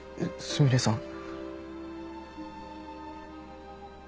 すみれさん。